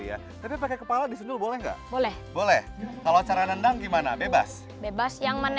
ya tapi pakai kepala disendul boleh nggak boleh boleh kalau cara nendang gimana bebas bebas yang mana